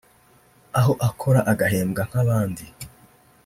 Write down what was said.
aho akora agahembwa nk’abandi